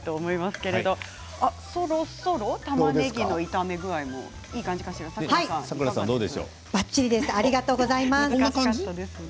そろそろ、たまねぎの炒め具合もいい感じですね。